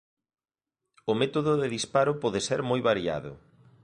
O método de disparo pode ser moi variado.